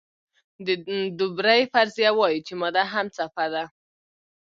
د دوبروی فرضیه وایي چې ماده هم څپه ده.